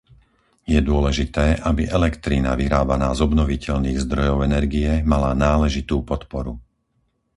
Je dôležité, aby elektrina vyrábaná z obnoviteľných zdrojov energie mala náležitú podporu.